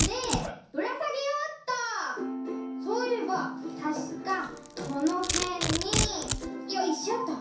そういえばたしかこのへんによいしょっと！